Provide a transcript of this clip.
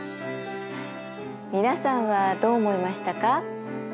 皆さんはどう思いましたか？